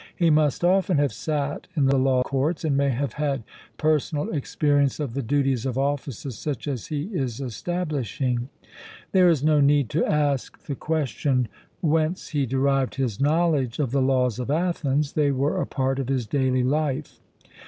He must often have sat in the law courts, and may have had personal experience of the duties of offices such as he is establishing. There is no need to ask the question, whence he derived his knowledge of the Laws of Athens: they were a part of his daily life.